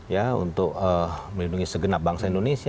ya untuk melindungi segenap bangsa indonesia